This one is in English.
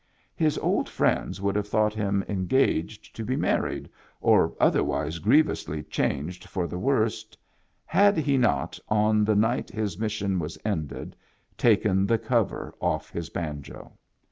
His old friends would have thought him engaged to be married or otherwise grievously changed for the worse, had he not, on the night his mission was ended, taken the cover off his banjo.